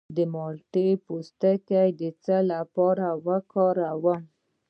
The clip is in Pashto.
د مالټې پوستکی د څه لپاره وکاروم؟